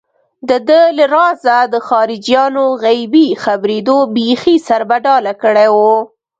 دده له رازه د خارجيانو غيبي خبرېدو بېخي سربداله کړی و.